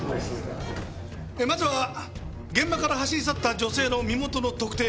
まずは現場から走り去った女性の身元の特定。